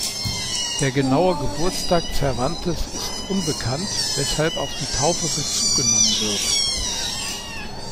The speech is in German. Der genaue Geburtstag Cervantes’ ist unbekannt, weshalb auf die Taufe Bezug genommen wird.